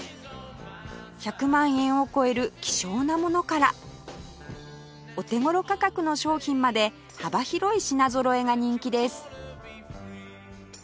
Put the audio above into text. １００万円を超える希少なものからお手頃価格の商品まで幅広い品ぞろえが人気です